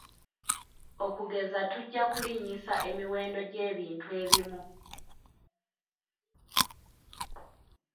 Okugeza tujja kulinnyisa emiwendo gy'ebintu ebimu.